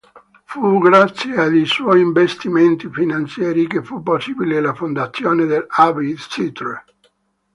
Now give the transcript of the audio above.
Fu grazie ad i suoi investimenti finanziari che fu possibile la fondazione dell'Abbey Theatre.